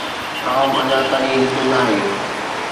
Tom اڃا تائين هتي ناهي.